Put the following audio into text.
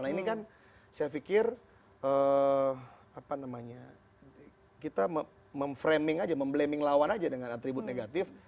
nah ini kan saya pikir apa namanya kita memframing aja memblaming lawan aja dengan atribut negatif